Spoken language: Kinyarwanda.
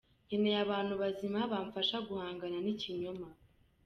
Nkeneye abantu bazima bamfasha guhangana nikinyoma